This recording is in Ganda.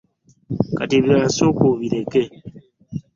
Kati ebirala sooka obireke.